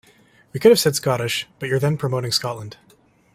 We could have said Scottish but you're then promoting Scotland.